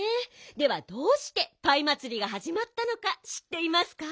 ではどうしてパイまつりがはじまったのかしっていますか？